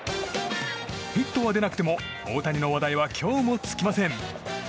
ヒットは出なくても大谷の話題は今日も尽きません。